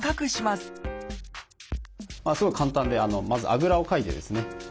すごい簡単でまずあぐらをかいてですね